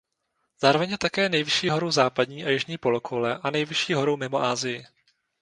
Zároveň je také nejvyšší horou západní a jižní polokoule a nejvyšší horou mimo Asii.